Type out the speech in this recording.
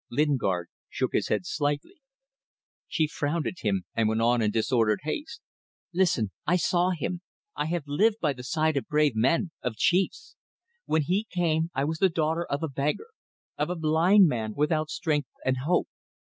Lingard shook his head slightly. She frowned at him, and went on in disordered haste "Listen. I saw him. I have lived by the side of brave men ... of chiefs. When he came I was the daughter of a beggar of a blind man without strength and hope.